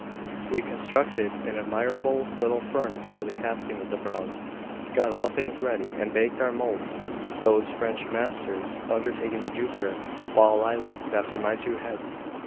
We constructed an admirable little furnace for the casting of the bronze, got all things ready, and baked our moulds; those French masters undertaking the Jupiter, while I looked after my two heads.